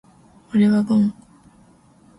俺はゴン。